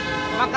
terima kasih kak